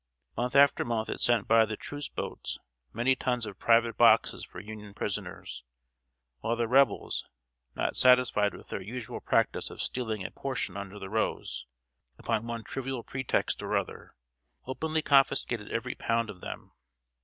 Month after month it sent by the truce boats many tons of private boxes for Union prisoners, while the Rebels, not satisfied with their usual practice of stealing a portion under the rose, upon one trivial pretext or other, openly confiscated every pound of them.